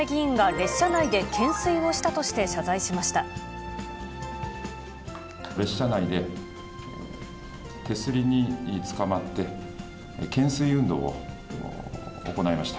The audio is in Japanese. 列車内で手すりにつかまって、懸垂運動を行いました。